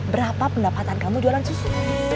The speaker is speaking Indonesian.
berapa pendapatan kamu jualan susu